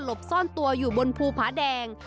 บซ่อนตัวอยู่บนภูผาแดง